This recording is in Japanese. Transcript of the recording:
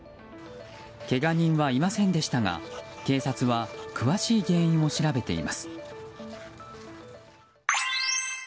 けが人はいませんでしたが警察は詳しい原因を調べています。